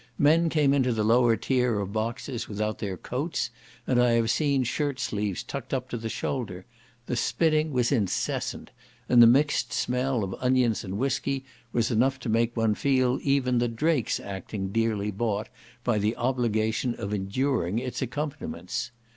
Men came into the lower tier of boxes without their coats; and I have seen shirt sleeves tucked up to the shoulder; the spitting was incessant, and the mixed smell of onions and whiskey was enough to make one feel even the Drakes' acting dearly bought by the obligation of enduring its accompaniments.